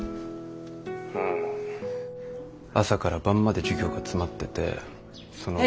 うん朝から晩まで授業が詰まっててその上。